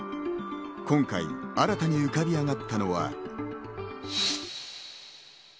今回新たに浮かび上がったのは。